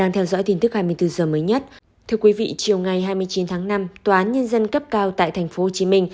thưa quý vị chiều ngày hai mươi chín tháng năm tòa án nhân dân cấp cao tại tp hcm